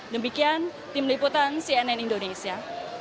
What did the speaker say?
demikian tim liputan cnn indonesia